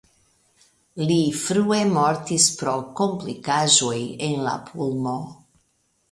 Li frue mortis pro komplikaĵoj en la pulmo.